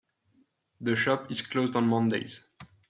The shop is closed on mondays.